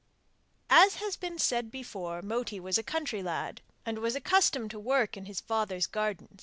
As has been said before, Moti was a country lad, and was accustomed to work in his father's garden.